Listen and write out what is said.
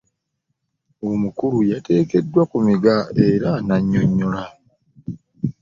Omukulu yateekeddwa ku nninga era n'annyonnyola.